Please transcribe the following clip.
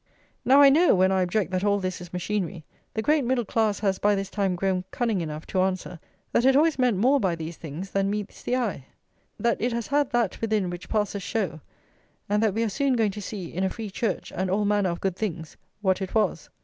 Now I know, when I object that all this is machinery, the great liberal middle class has by this time grown cunning enough to answer, that it always meant more by these things than meets the eye; that it has had that within which passes show, and that we are soon going to see, in a Free Church and all manner of good things, what it was.